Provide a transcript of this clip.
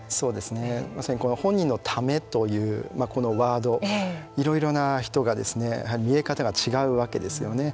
まさに本人のためというこのワードいろいろな人が見え方が違うわけですよね。